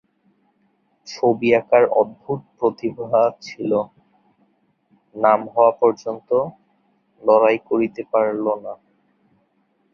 ছবি আঁকার অদ্ভুত প্রতিভা ছিল, নাম হওয়া পর্যন্ত লড়াই করিতে পারল না।